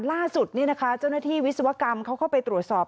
ล่าสุดเจ้าหน้าที่วิศวกรรมเขาเข้าไปตรวจสอบ